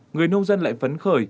người nông dân lại phấn khởi